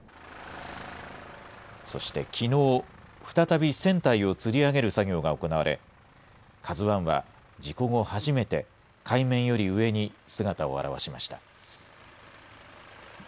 そしてきのう、再び船体をつり上げる作業が行われ、ＫＡＺＵＩは事故後初めて、海面より上に姿を現しました。